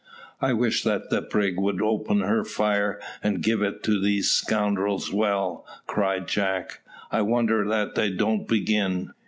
"I wish that the brig would open her fire, and give it these scoundrels well," cried Jack; "I wonder that they don't begin."